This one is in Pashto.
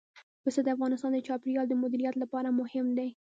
پسه د افغانستان د چاپیریال د مدیریت لپاره مهم دي.